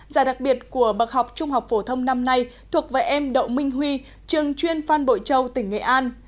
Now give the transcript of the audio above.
giải đặc biệt của bậc học trung học phổ thông năm nay thuộc về em đậu minh huy trường chuyên phan bội châu tỉnh nghệ an